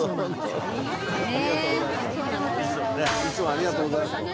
ありがとうございます。